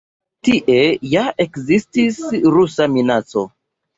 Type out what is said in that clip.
Tiel ja ekzistis rusa minaco.